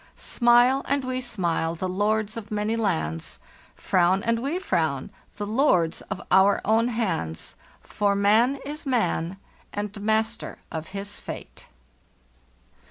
"«Smile and we smile, the lords of many lands; Frown and we frown, the Jords of our own hands; For man is man and master of his fate.